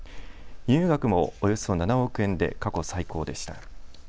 輸入額もおよそ７億円で過去最高でした。